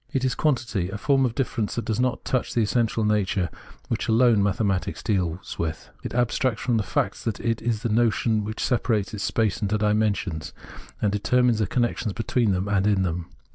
It is quantity, a form of difference that does not touch the essential nature, which alone mathematics deals with. It abstracts from the fact that it is the notion which separates space into its dimensions, and determines the connections between them and in them.